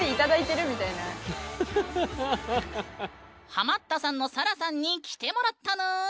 ハマったさんのさらさんに来てもらったぬん。